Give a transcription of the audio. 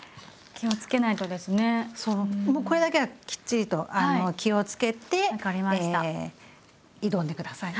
もうこれだけはきっちりと気を付けて挑んで下さい。